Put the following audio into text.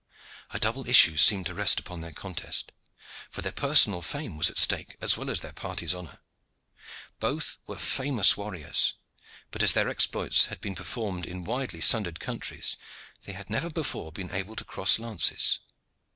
A double issue seemed to rest upon their contest, for their personal fame was at stake as well as their party's honor. Both were famous warriors, but as their exploits had been performed in widely sundered countries, they had never before been able to cross lances.